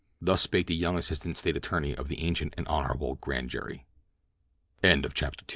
Thus spake the young assistant State attorney of the ancient and honorable grand jury. III. — THE GRAND JURY Two